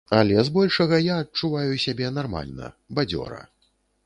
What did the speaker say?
Але збольшага я адчуваю сябе нармальна, бадзёра.